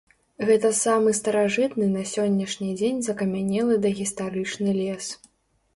Гэта самы старажытны на сённяшні дзень закамянелы дагістарычны лес.